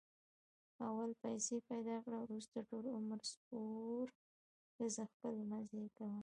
اول پیسې پیدا کړه، ورسته ټول عمر سپورګرځه خپلې مزې کوه.